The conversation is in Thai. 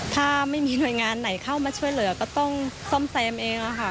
ถ้าไม่มีหน่วยงานไหนเข้ามาช่วยเหลือก็ต้องซ่อมแซมเองค่ะ